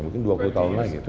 mungkin dua puluh tahun lagi